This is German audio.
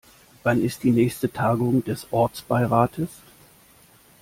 Wann ist die nächste Tagung des Ortsbeirates?